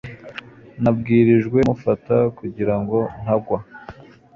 Nabwirijwe kumufata kugirango ntagwa.